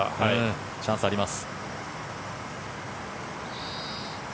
チャンスあります。